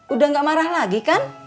udah gak marah lagi kan